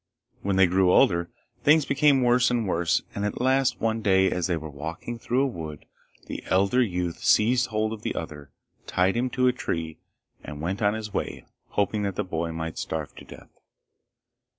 When they grew older, things became worse and worse, and at last one day as they were walking through a wood the elder youth seized hold of the other, tied him to a tree, and went on his way hoping that the boy might starve to death.